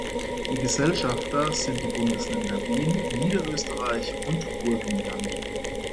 Die Gesellschafter sind die Bundesländer Wien, Niederösterreich und Burgenland.